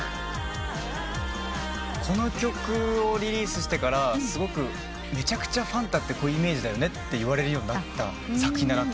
この曲をリリースしてからすごくめちゃくちゃファンタってこういうイメージだねっていわれるようになった作品だなと思ってて。